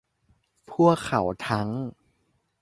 พวกเขาทั้ง